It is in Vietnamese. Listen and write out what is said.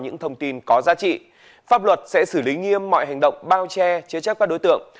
những thông tin có giá trị pháp luật sẽ xử lý nghiêm mọi hành động bao che chế chấp các đối tượng